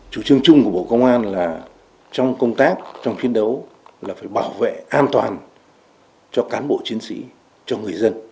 chủ trương chung của bộ công an là trong công tác trong chiến đấu là phải bảo vệ an toàn cho cán bộ chiến sĩ cho người dân